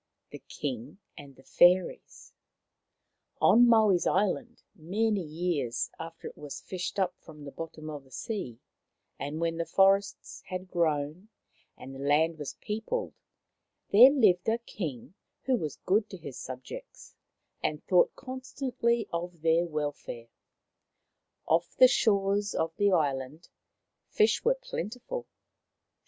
THE KING AND THE FAIRIES On Maui's island, many years after it was fished up from the bottom of the sea, and when the forests had grown and the land was peopled, there lived a King who was good to his subjects and thought constantly of their welfare. Off the shores of the island fish were plentiful.